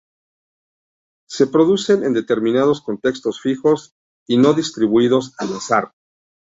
Se producen en determinados contextos fijos y no distribuidos al azar.